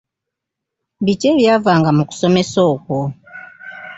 Biki ebyavanga mu kusomesa okwo?